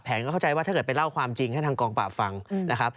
เข้าใจว่าถ้าเกิดไปเล่าความจริงให้ทางกองปราบฟังนะครับ